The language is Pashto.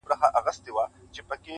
که نقاب پر مخ نیازبینه په مخ راسې,